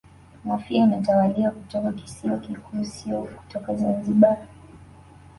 Mafia inatawaliwa kutoka kisiwa kikuu sio kutoka Zanzibar